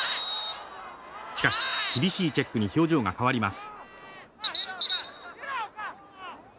しかし厳しいチェックに表情が変わります。